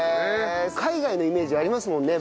海外のイメージありますもんね